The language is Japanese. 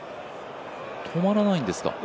止まらないんですか。